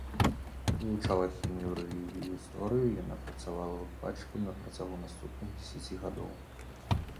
Вывучала хімію, рэлігію і гісторыю, яна працавала выкладчыкам на працягу наступных дзесяці гадоў.